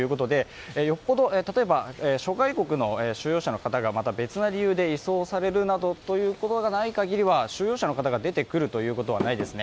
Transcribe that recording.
よほど、例えば諸外国の収容者の方がまた別の理由で移送されるというようなことがないかぎりは収容者の方が出てくるというようなことはないですね。